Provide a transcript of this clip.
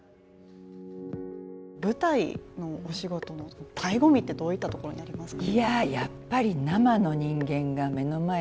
舞台のお仕事のだいご味ってどういったところにありますか？